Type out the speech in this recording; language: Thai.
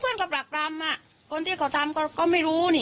เพื่อนก็ปรากรรมคนที่เขาทำก็ไม่รู้